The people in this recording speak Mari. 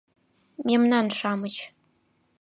— Мемнан-шамыч!